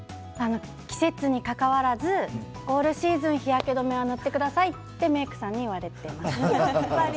季節にかかわらずオールシーズン日焼け止めを塗ってくださいってメークさんに言われています。